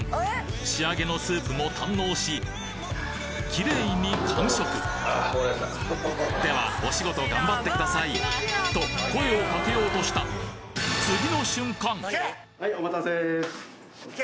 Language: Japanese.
仕上げのスープも堪能しキレイに完食ではお仕事がんばってくださいと声をかけようとしたえっ！